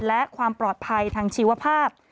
และความปลอดภัยทางชีวภาพ